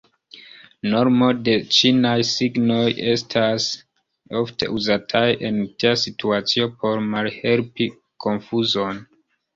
Normo de ĉinaj signoj estas ofte uzataj en tia situacio por malhelpi konfuzon.